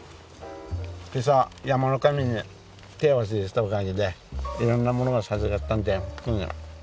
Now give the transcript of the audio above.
今朝山の神に手を合わせてきたおかげでいろんなものが授かったんで。